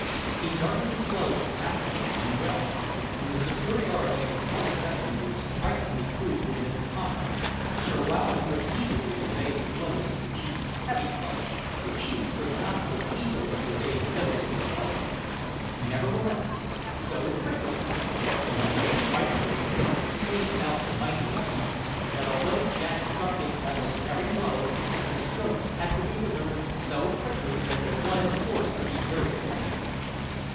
He darted his blows rapidly and well, and the superiority of his light weapon was strikingly proved in this combat; for while he could easily evade the blows of the chief's heavy club, the chief could not so easily evade those of his light one. Nevertheless, so quick was he, and so frightfully did he fling about the mighty weapon, that although Jack struck him almost every blow, the strokes had to be delivered so quickly that they wanted force to be very effectual.